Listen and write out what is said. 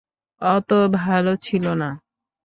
অত ভালো ছিল না।